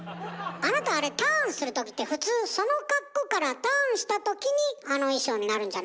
あなたあれターンするときって普通その格好からターンしたときにあの衣装になるんじゃないの？